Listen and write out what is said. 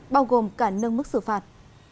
bao gồm cả nâng mức xử phạt